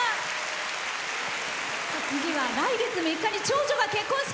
次は来月３日に長女が結婚式。